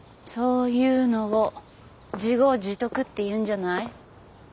そういうのを自業自得っていうんじゃない？